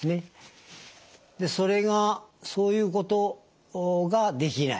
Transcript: それがそういうことができない。